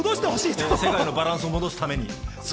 世界のバランス戻すために。